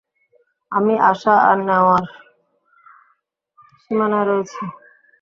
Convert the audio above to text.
আমি আসা আর নেওয়ার সীমানায় রয়েছি!